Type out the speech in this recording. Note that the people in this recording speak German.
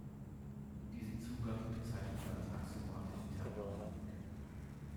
Diesen Zugang bezeichnet man als axiomatische Thermodynamik.